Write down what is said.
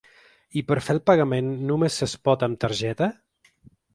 I per fer el pagament, nomes es pot amb targeta?